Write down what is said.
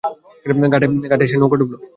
ঘাটে এসে নৌকা ডুবলো।